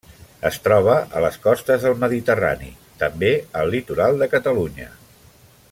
Es troba a les costes del Mediterrani, també al litoral de Catalunya.